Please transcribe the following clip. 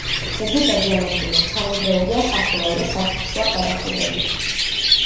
ძეგლი დაზიანებულია: ჩამონგრეულია სახურავი და სართულშუა გადახურვები.